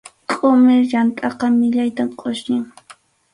Qʼumir yamtʼaqa millaytam qʼusñin.